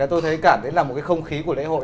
tôi thấy cảm thấy là một cái không khí của lễ hội